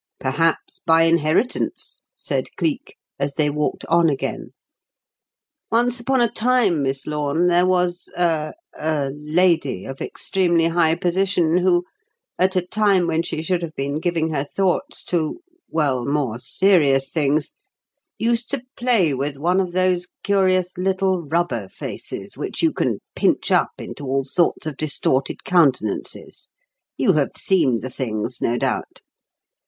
"Perhaps by inheritance," said Cleek, as they walked on again. "Once upon a time, Miss Lorne, there was a er lady of extremely high position who, at a time when she should have been giving her thoughts to well, more serious things, used to play with one of those curious little rubber faces which you can pinch up into all sorts of distorted countenances you have seen the things, no doubt.